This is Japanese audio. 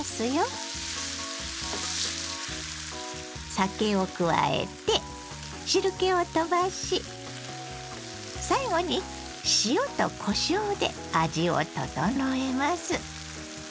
酒を加えて汁けをとばし最後に塩とこしょうで味を調えます。